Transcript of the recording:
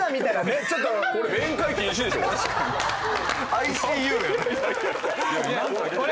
ＩＣＵや。